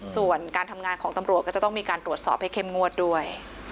ส่วนการทำงานของตำรวจก็จะต้องมีการตรวจสอบให้เข้มงวดด้วย